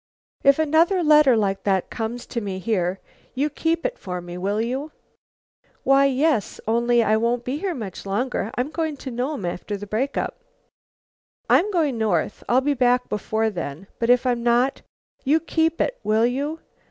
"If another letter like that comes to me here, you keep it for me, will you?" "Why, yes, only I won't be here much longer. I'm going to Nome after the break up." "I'm going north. I'll be back before then. But if I'm not, you keep it, will you?"